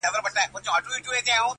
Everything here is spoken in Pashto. یو زلمی به په ویده قام کي پیدا سي،